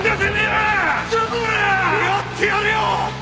やってやるよ！